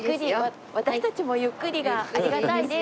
私たちもゆっくりがありがたいです。